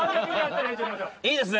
いいですね？